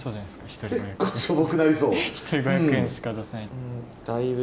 一人５００円しか出せない。